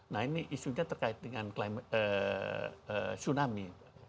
nah ini isunya terkait dengan klaim tsunami